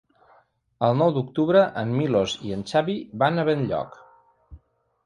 El nou d'octubre en Milos i en Xavi van a Benlloc.